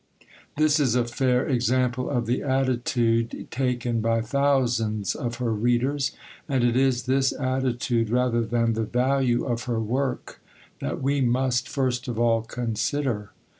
This is a fair example of the attitude taken by thousands of her readers, and it is this attitude, rather than the value of her work, that we must, first of all, consider.